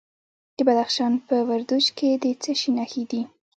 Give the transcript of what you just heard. د بدخشان په وردوج کې د څه شي نښې دي؟